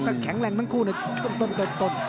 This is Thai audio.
แต่แข็งแรงทั้งคู่เนี่ยต้นต้นต้น